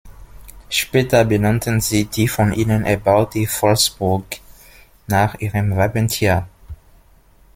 Später benannten sie die von ihnen erbaute Wolfsburg nach ihrem Wappentier.